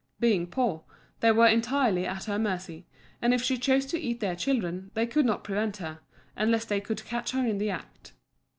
Being poor, they were entirely at her mercy, and if she chose to eat their children, they could not prevent her, unless they could catch her in the act.